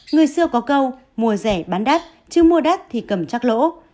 người xưa có câu mua rẻ bán đắt chứ mua đắt thì cầm chắc lỗ